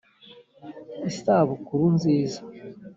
isabukuru nziza.